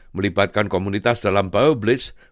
melibatkan komunitas dalam bioblitz